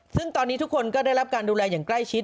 ซึ่งตอนนี้ทุกคนก็ได้รับการดูแลอย่างใกล้ชิด